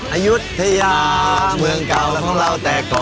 อายุทยาเมืองเก่าอะไรของเราแตกก่อน